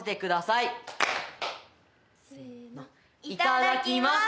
いただきます！